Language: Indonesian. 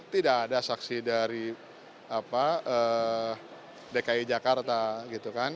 tidak ada saksi dari dki jakarta gitu kan